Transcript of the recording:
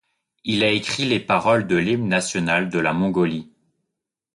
Il a écrit les paroles de l'hymne national de la Mongolie.